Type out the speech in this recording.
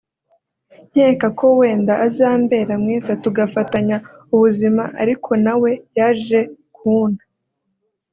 nkeka ko wenda azambera mwiza tugafatanya ubuzima ariko nawe yaje kunta